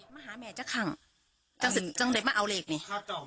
มาหาแม่จะขังจังสิ่งจังเลยมาเอาเลขนี่